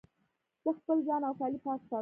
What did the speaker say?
زه خپل ځان او کالي پاک ساتم.